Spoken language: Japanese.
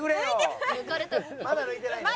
まだ抜いてないの？